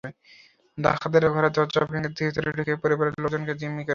ডাকাতেরা ঘরের দরজা ভেঙে ভেতরে ঢুকে পরিবারের লোকজনকে জিমিঞ্চ করে ফেলে।